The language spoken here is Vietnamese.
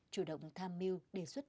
chủ động tham mưu đề xuất